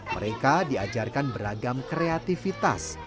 mereka diajarkan beragam kreativitas